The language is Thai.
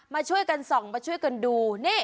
มาช่วยกันส่องมาช่วยกันดูนี่